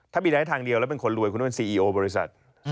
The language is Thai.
ถ้ามีรายได้ทางเดียวแล้วเป็นคนรวยคือซีเออบริษัท